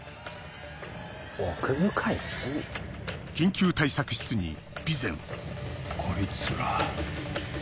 奥深い罪？こいつら。